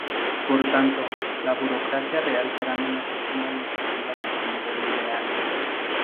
Por tanto, la burocracia real será menos óptima y efectiva que su modelo ideal.